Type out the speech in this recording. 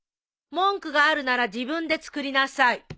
文句があるなら自分で作りなさい。